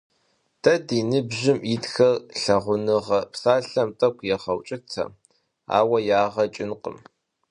Дэ ди ныбжьым итхэр «лъагъуныгъэ» псалъэм тӀэкӀу егъэукӀытэ, ауэ ягъэ кӀынкъым.